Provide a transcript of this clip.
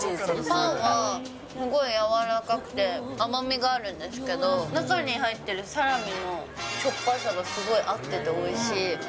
パンはすごい柔らかくて、甘みがあるんですけど、中に入ってるサラミのしょっぱさがすごい合ってておいしい。